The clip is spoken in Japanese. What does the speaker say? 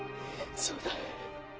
そうだ。